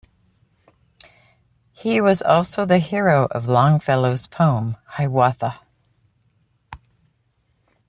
He was also the hero of Longfellow's poem, 'Hiawatha'.